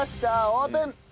オープン！